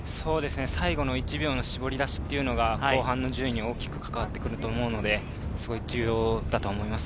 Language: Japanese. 最後の１秒の搾り出しが後半の順位に大きく関わってくると思うので重要だと思います。